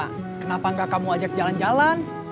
kenapa nggak kamu ajak jalan jalan